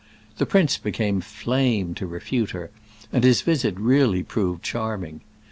The prince became flame to refute her, and his visit really proved charming.